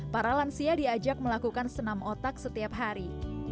para lansia diajak melakukan senam otak setiap hari